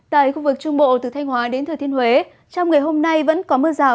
tại khu vực trung bộ từ thanh hóa đến thừa thiên huế trong ngày hôm nay vẫn có mưa rào